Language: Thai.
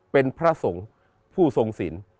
เป็นพระสงฆ์ผู้ทรงศิลป์